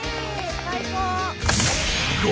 最高！